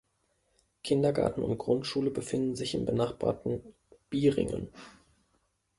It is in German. Kindergarten und Grundschule befinden sich im benachbarten Bieringen.